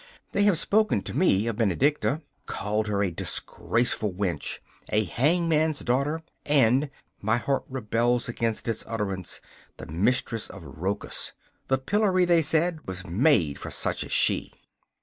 They have spoken to me of Benedicta called her a disgraceful wench, a hangman's daughter and (my heart rebels against its utterance) the mistress of Rochus! The pillory, they said, was made for such as she.